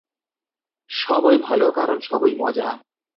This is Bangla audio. সবই ভাল, কারণ সবই মজা।